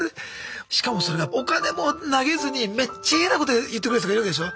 しかもそれがお金も投げずにめっちゃイヤなこと言ってくるやつがいるわけでしょ。